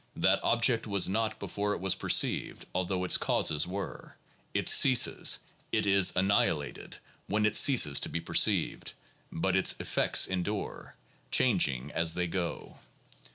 That object was not before it was perceived, although its causes were; it ceases, it is annihilated, when it ceases to be perceived; but its effects endure, 1 changing as they go.